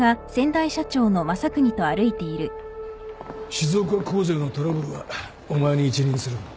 静岡工場のトラブルはお前に一任する